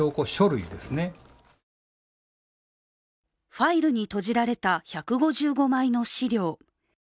ファイルにとじられた１５５枚の資料。